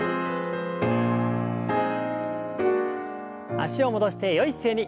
脚を戻してよい姿勢に。